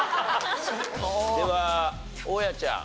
では大家ちゃん。